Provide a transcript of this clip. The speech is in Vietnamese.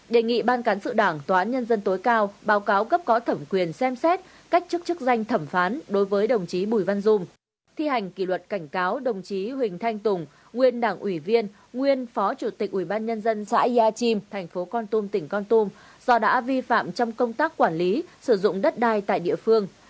đề nghị ban cán sự đảng tòa án nhân dân tối cao báo cáo cấp có thẩm quyền xem xét cách chức chức danh thẩm phán đối với đồng chí bùi văn dung thi hành kỷ luật cảnh cáo đồng chí huỳnh thanh tùng nguyên đảng ủy viên nguyên phó chủ tịch ubnd xã yà chim tp con tum tỉnh con tum do đã vi phạm trong công tác quản lý sử dụng đất đai tại địa phương